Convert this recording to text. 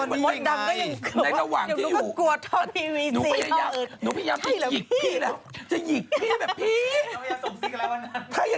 เดี๋ยวลูกกันกวนพิวีสี่ต่ออื่น